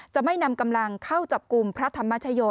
จะไม่นำกำลังเข้าจับกลุ่มพระธรรมชโย